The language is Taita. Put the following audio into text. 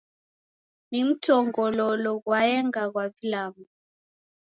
Ni mtongololo ghwaenga ghwa vilambo.